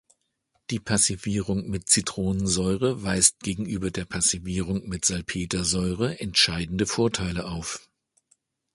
Die Passivierung mit Zitronensäure weist gegenüber der Passivierung mit Salpetersäure entscheidende Vorteile auf.